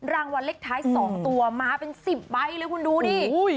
รางวัลเลขท้าย๒ตัวมาเป็น๑๐ใบเลยคุณดูดิ